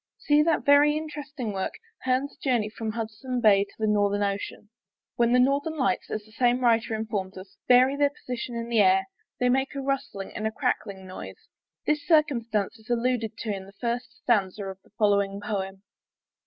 See that very interesting work, Hearne's Journey from Hudson's Bay to the Northern Ocean. When the Northern Lights, as the same writer informs us, vary their position in the air, they make a rustling and a crackling noise. This circumstance is alluded to in the first stanza of the following poem.